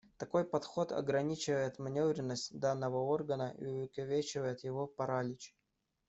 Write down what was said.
Такой подход ограничивает манёвренность данного органа и увековечивает его паралич.